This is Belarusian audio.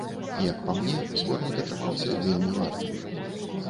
Як па мне, зборнік атрымаўся вельмі вартым.